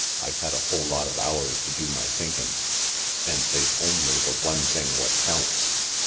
"I've had a whole lot of hours to do my thinkin', and they's only the one thing what counts.